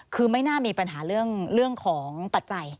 คือไม่น่ามีปัญหาเรื่องของปัจจัย